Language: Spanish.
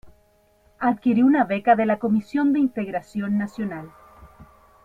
Adquirió una beca de la Comisión de Integración Nacional.